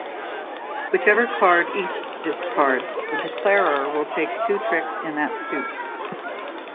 Whichever card East discards, the declarer will take two tricks in that suit.